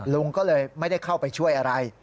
ลุงก็เลยไม่ได้เข้าไปช่วยอะไร